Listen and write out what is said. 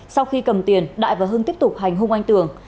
sau khi cầm tiền đại và hưng tiếp tục hành hung anh tường